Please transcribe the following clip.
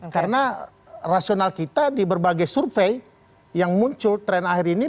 karena rasional kita di berbagai survei yang muncul tren akhir ini